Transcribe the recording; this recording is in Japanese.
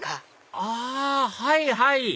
あはいはい！